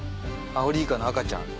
アオリイカの赤ちゃん。